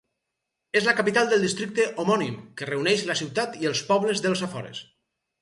És la capital del districte homònim, que reuneix la ciutat i els pobles dels afores.